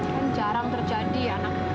kan jarang terjadi anak